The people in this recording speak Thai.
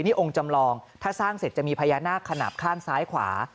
นี่องค์จำลองถ้าสร้างเสร็จจะมีพญานาคขนาดข้างซ้ายขวา